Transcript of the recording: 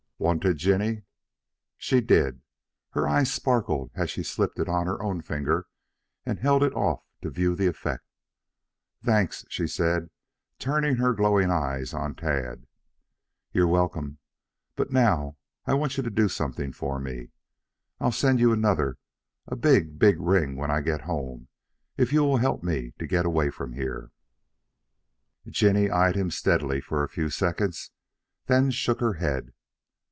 "Want it, Jinny?" She did. Her eyes sparkled as she slipped it on her own finger and held it off to view the effect. "Thank," she said, turning her glowing eyes on Tad. "You're welcome. But now I want you to do something for me. I'll send you another, a big, big ring when I get home, if you will help me to get away from here." Jinny eyed him steadily for a few seconds, then shook her head.